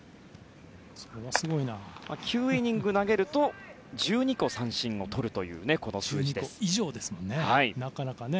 ９イニング投げると１２個、三振をとるという１２個以上ですからね。